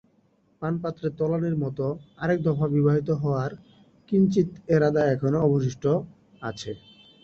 পানপাত্রে তলানির মতো আরেক দফা বিবাহিত হওয়ার কিঞ্চিত এরাদা এখনো অবশিষ্ট আছে।